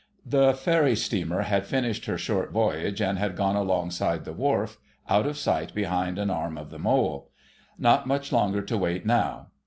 The ferry steamer had finished her short voyage and had gone alongside the wharf, out of sight behind an arm of the mole. Not much longer to wait now.